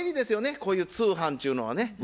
こういう通販ちゅうのはね。